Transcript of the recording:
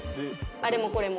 あれもこれも。